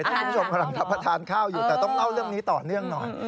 คุณผู้ชมกำลังรับประทานข้าวอยู่แต่ต้องเล่าเรื่องนี้ต่อเนื่องหน่อย